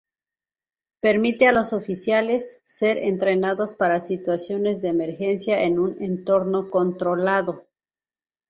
Permite a los oficiales ser entrenados para situaciones de emergencia en un entorno controlado.